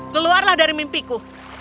keluarlah dari mimpiku